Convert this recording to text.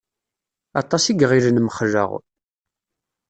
Aṭas i iɣillen mxelleɣ.